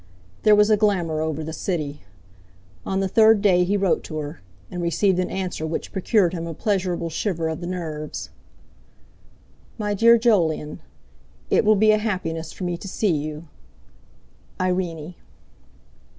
There was a glamour over the city. On the third day he wrote to her, and received an answer which procured him a pleasurable shiver of the nerves: "MY DEAR JOLYON, "It will be a happiness for me to see you. "IRENE."